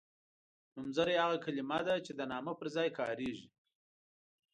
نومځری هغه کلمه ده چې د نامه پر ځای کاریږي.